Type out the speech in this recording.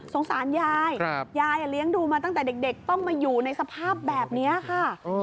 สารยายยายเลี้ยงดูมาตั้งแต่เด็กต้องมาอยู่ในสภาพแบบนี้ค่ะ